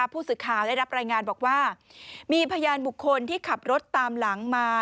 ผู้สื่อข่าวได้รับรายงานบอกว่ามีพยานบุคคลที่ขับรถตามหลังมา